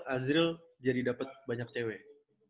azril jadi dapat banyak cewek